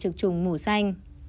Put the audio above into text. trùng mổ xanh